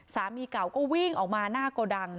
สามีเก่าก็วิ่งออกมาหน้าโกดัง